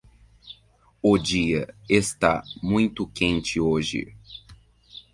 O dia está muito quente hoje.